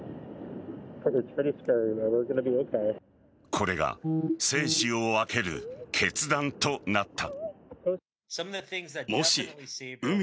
これが生死を分ける決断となった。